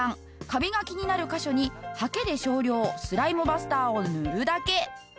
カビが気になる箇所にハケで少量スライムバスターを塗るだけ。